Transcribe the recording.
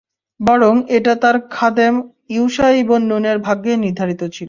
বরং এটা তাঁর খাদেম ইউশা ইবন নূনের ভাগ্যেই নির্ধারিত ছিল।